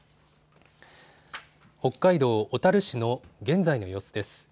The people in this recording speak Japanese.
北海道小樽市の現在の様子です。